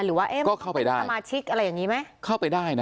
หรือว่าเอ๊ะก็เข้าไปได้สมาชิกอะไรอย่างนี้ไหมเข้าไปได้นะ